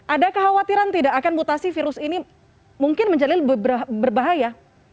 ada kekhawatiran tidak akan mutasi virus ini mungkin menjadi lebih berbahaya